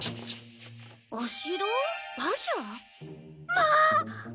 まあ！